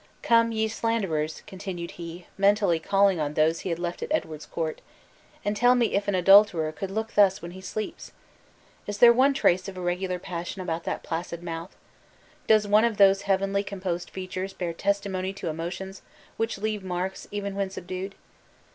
Come, ye slanderers," continued he, mentally calling on those he had left at Edward's court, "and tell me if an adulterer could look thus when he sleeps! Is there one trace of irregular passion about that placid mouth? Does one of those heavenly composed features bear testimony to emotions which leave marks even when subdued?